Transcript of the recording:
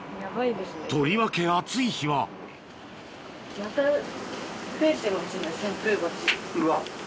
とりわけ暑い日はうわ